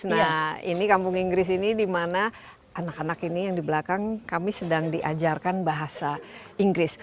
nah ini kampung inggris ini dimana anak anak ini yang di belakang kami sedang diajarkan bahasa inggris